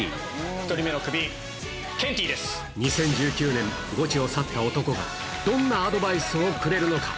１人目のクビ、ケンティーで２０１９年、ゴチを去った男が、どんなアドバイスをくれるのか。